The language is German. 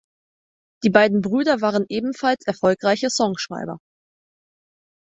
Die beiden Brüder waren ebenfalls erfolgreiche Songschreiber.